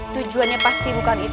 tujuannya pasti bukan itu